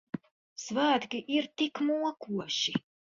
Svētki ir tik mokoši.